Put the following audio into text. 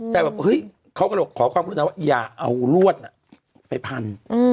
แต่แบบเฮ้ยเขาก็เลยบอกขอความรุณาว่าอย่าเอารวดไปพัน